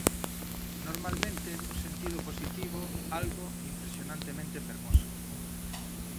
Normalmente nun sentido positivo: algo impresionantemente fermoso.